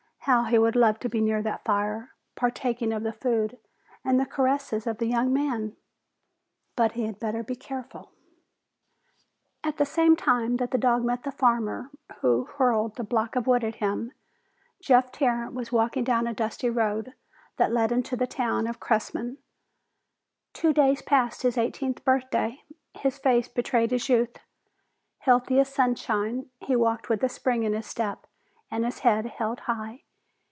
How he would love to be near that fire, partaking of the food and the caresses of the young man! But he had better be careful. At the same time that the dog met the farmer who hurled the block of wood at him, Jeff Tarrant was walking down a dusty road that led into the town of Cressman. Two days past his eighteenth birthday, his face betrayed his youth. Healthy as sunshine, he walked with a spring in his step and his head held high.